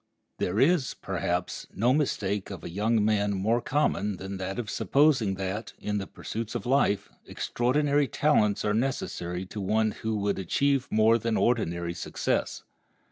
There is, perhaps, no mistake of a young man more common than that of supposing that, in the pursuits of life, extraordinary talents are necessary to one who would achieve more than ordinary success.